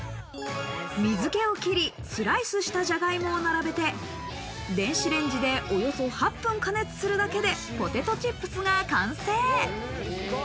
水気を切り、スライスしたじゃがいもを並べて、電子レンジでおよそ８分加熱するだけで、ポテトチップスが完成。